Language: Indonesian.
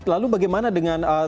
lalu bagaimana dengan